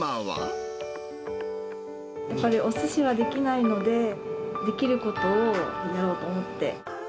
やっぱりおすしはできないので、できることをやろうと思って。